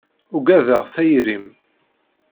Ugadeɣ tayri-m.